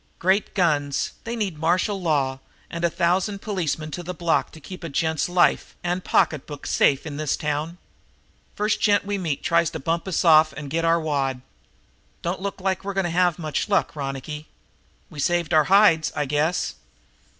Great guns, they need martial law and a thousand policemen to the block to keep a gent's life and pocketbook safe in this town! First gent we meet tries to bump us off or get our wad. Don't look like we're going to have much luck, Ronicky." "We saved our hides, I guess."